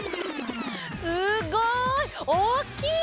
すごい！おっきい！